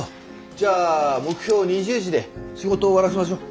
じゃあ目標２０時で仕事終わらせましょう。